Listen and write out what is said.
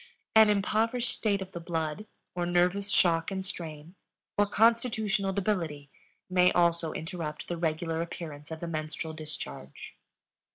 An impoverished state of the blood, or nervous shock and strain, or constitutional debility may also interrupt the regular appearance of the menstrual discharge.